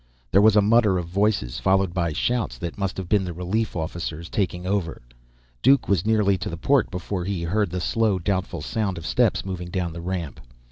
There was a mutter of voices, followed by shouts that must have been the relief officers, taking over. Duke was nearly to the port before he heard the slow, doubtful sound of steps moving down the ramp.